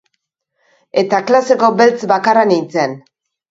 Eta klaseko beltz bakarra nintzen.